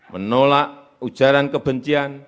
menolak ujaran kebencian